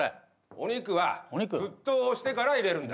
お肉は沸騰してから入れるんだ。